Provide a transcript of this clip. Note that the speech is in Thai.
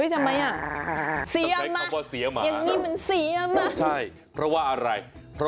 เฮ้ยทำไม